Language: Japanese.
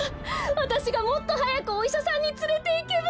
わたしがもっとはやくおいしゃさんにつれていけば。